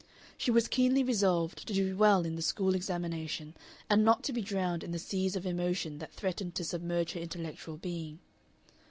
She was keenly resolved to do well in the school examination, and not to be drowned in the seas of emotion that threatened to submerge her intellectual being.